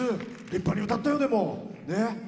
立派に歌ったよ、でも。